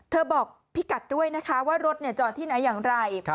บอกพี่กัดด้วยนะคะว่ารถจอดที่ไหนอย่างไร